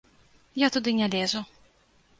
Я туды не лезу.